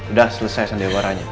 udah selesai sandiabaranya